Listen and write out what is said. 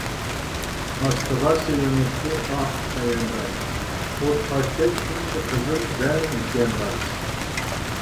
ئاستىغا سېلىنىپتۇ ئاھ، پايانداز، ئوتقاشتەك شۇنچە قىزىل زەر يېكەنداز.